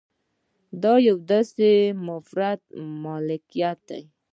دا یو داسې منفرده مملکت دی